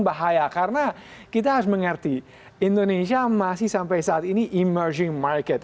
bahaya karena kita harus mengerti indonesia masih sampai saat ini emerging market